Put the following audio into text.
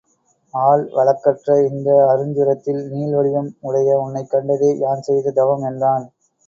ஆள் வழக்கற்ற இந்த அருஞ்சுரத்தில் நீள் வடிவம் உடைய உன்னைக் கண்டதே யான் செய்த தவம் என்றான்.